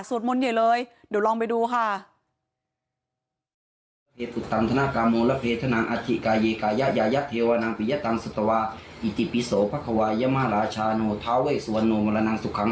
มนต์ใหญ่เลยเดี๋ยวลองไปดูค่ะ